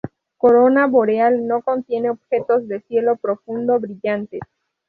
Corona Boreal no contiene objetos de cielo profundo brillantes.